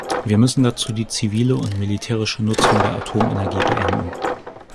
Wir müssen dazu die zivile und militärische Nutzung der Atomenergie beenden.